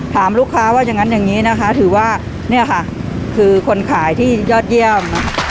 ถามลูกค้าว่าถือว่านี่ค่ะคือคนขายที่ยอดเยี่ยม